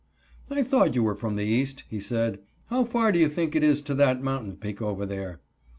"I thought you were from the East," he said. "How far do you think it is to that mountain peak over there?"